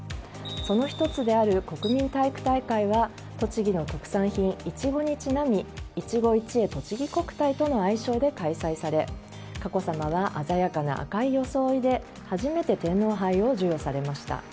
その１つである国民体育大会は栃木の特産品イチゴにちなみいちご一会とちぎ国体との愛称で開催され佳子さまは鮮やかな赤い装いで初めて、天皇杯を授与されました。